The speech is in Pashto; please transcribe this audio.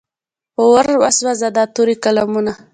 په اور وسوځه دا تورې قلمونه.